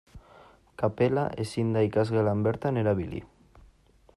Kapela ezin da ikasgelan bertan erabili.